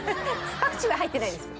パクチーは入ってないです。